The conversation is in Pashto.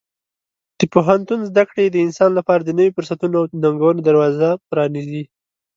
د پوهنتون زده کړې د انسان لپاره د نوي فرصتونو او ننګونو دروازه پرانیزي.